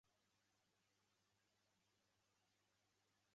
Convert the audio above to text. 这次山火造成了出乎意料的巨大破坏。